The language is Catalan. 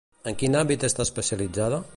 En quin àmbit està especialitzada?